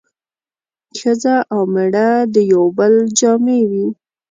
ښځه او مېړه د يو بل جامې وي